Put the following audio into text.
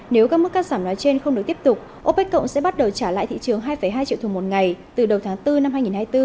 nếu các mức cắt giảm nói trên không được tiếp tục opec cộng sẽ bắt đầu trả lại thị trường hai hai triệu thùng một ngày từ đầu tháng bốn năm hai nghìn hai mươi bốn